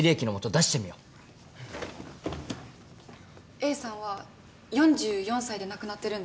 Ａさんは４４歳で亡くなってるんだよね。